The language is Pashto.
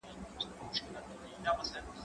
زه به ليکنې کړي وي؟